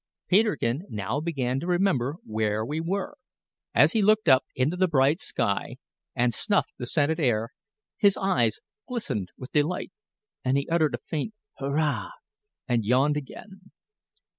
Peterkin now began to remember where we were. As he looked up into the bright sky, and snuffed the scented air, his eyes glistened with delight, and he uttered a faint "Hurrah!" and yawned again.